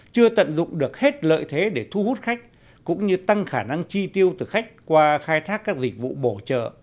chưa tận dụng được hết lợi thế để thu hút khách cũng như tăng khả năng chi tiêu từ khách qua khai thác các dịch vụ bổ trợ